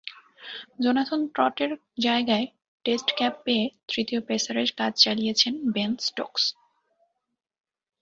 Jonathan ট্রটের জায়গায় test cap পেয়ে তৃতীয় পেসারের কাজ চালিয়েছেন বেন স্টোকস।